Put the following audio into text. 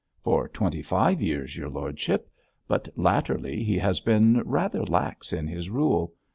'For twenty five years, your lordship; but latterly he has been rather lax in his rule.